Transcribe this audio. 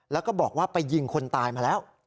แล้วก็บอกว่าไปยิงคนตายมาแล้ว